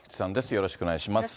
よろしくお願いします。